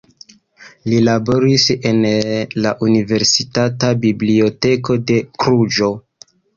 Li laboris en la Universitata Biblioteko de Kluĵo.